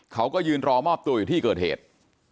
เขาก็ยืนรอมอบตัวอยู่ที่เกิดเหตุ